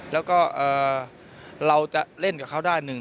แล้วก็เราจะเล่นกับเขาได้หนึ่ง